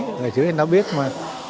người dưới thì nó biết mà